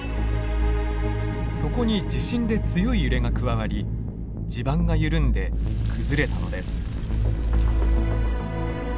そこに地震で強い揺れが加わり地盤が緩んで崩れたのです。